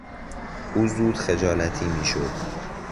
او زود خجالتی میشد.